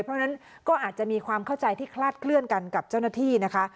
เพราะฉะนั้นก็อาจจะมีความเข้าใจที่คลาดเคลื่อนกันกับเจ้าหน้าที่นะคะ